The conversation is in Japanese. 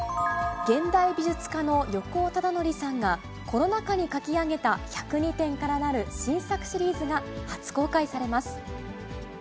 現代美術家の横尾忠則さんが、コロナ禍に描き上げた１０２点からなる新作シリーズが初公開されます。